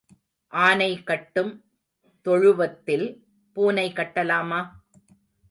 ஆனை கட்டும் தொழுவத்தில் பூனை கட்டலாமா?